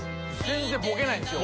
全然ボケないです。